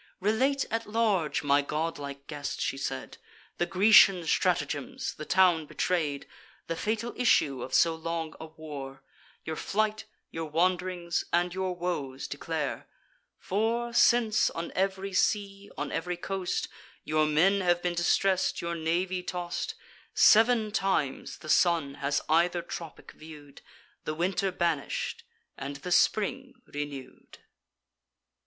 "Relate at large, my godlike guest," she said, "The Grecian stratagems, the town betray'd: The fatal issue of so long a war, Your flight, your wand'rings, and your woes, declare; For, since on ev'ry sea, on ev'ry coast, Your men have been distress'd, your navy toss'd, Sev'n times the sun has either tropic view'd, The winter banish'd, and the spring renew'd."